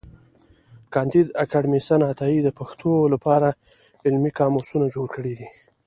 کانديد اکاډميسن عطايي د پښتو له پاره علمي قاموسونه جوړ کړي دي.